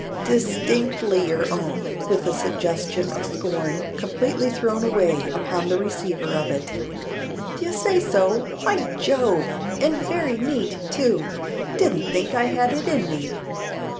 "Distinctly your own," with a suggestion of scorn, completely thrown away upon the receiver of it. "D'ye say so! By Jove! And very neat too! Didn't think I had it in me.